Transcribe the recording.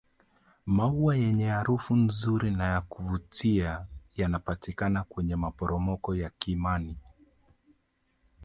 maua yenye harufu nzuri na yakuvutia yanapatikana kwenye maporomoko ya kimani